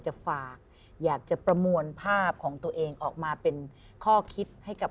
จะฝากอยากจะประมวลภาพของตัวเองออกมาเป็นข้อคิดให้กับ